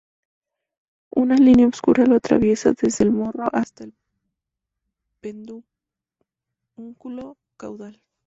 Una línea oscura lo atraviesa desde el morro hasta el pedúnculo caudal.